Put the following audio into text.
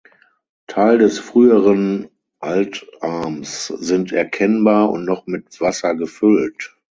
Teil des früheren Altarms sind erkennbar und noch mit Wasser gefüllt.